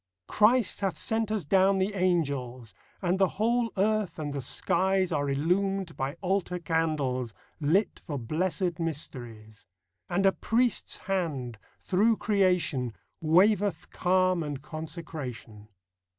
Christ hath sent us down the angels; And the whole earth and the skies Are illumed by altar candles TRUTH. 35 Lit for blessed mysteries ; And a Priest's Hand, through creation, Waveth calm and consecration.